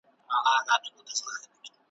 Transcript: لېونتوب یم راوستلی زولانې چي هېر مه نه کې ,